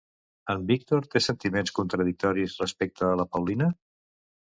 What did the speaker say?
En Víctor té sentiments contradictoris respecte a la Paulina?